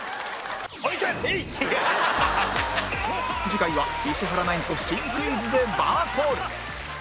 次回は石原ナインと新クイズでバトル！